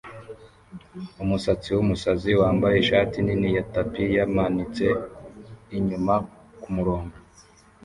Umusatsi wumusazi wambaye ishati nini ya tapi yamanitse inyuma kumurongo